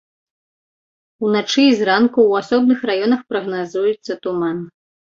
Уначы і зранку ў асобных раёнах прагназуецца туман.